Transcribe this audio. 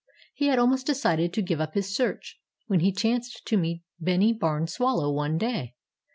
He had almost decided to give up his search, when he chanced to meet Bennie Barn Swallow one day.